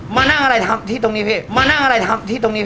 มานั่งอะไรทำที่ตรงนี้